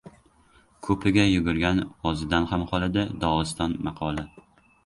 Ko‘piga yugurgan ozidan ham qoladi. Dog‘iston maqoli